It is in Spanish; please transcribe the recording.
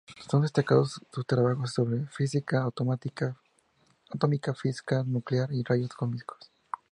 Son destacados sus trabajos sobre física atómica, física nuclear y rayos cósmicos.